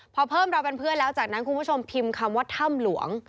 พอเพิ่มเราเป็นเพื่อนแล้วจากนั้นคุณผู้ชมพิมพ์คำว่าถ้ำหลวง